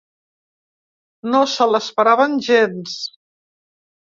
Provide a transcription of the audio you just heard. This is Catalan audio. No se l’esperaven gens.